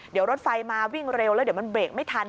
เดี๋ยวรถไฟมาวิ่งเร็วแล้วเดี๋ยวมันเบรกไม่ทัน